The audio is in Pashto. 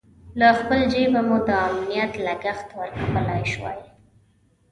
له خپل جېبه مو د امنیت لګښت ورکولای شوای.